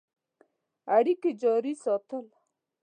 اړیکي جاري ساتل.